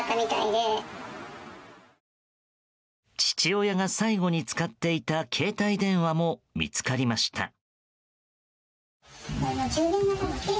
父親が最後に使っていた携帯電話も見つかりました。